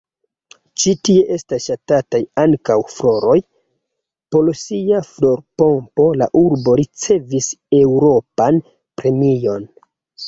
Ĉi tie estas ŝatataj ankaŭ floroj: por sia florpompo la urbo ricevis Eŭropan Premion.